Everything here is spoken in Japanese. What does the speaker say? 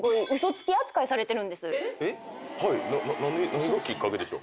何がきっかけでしょう？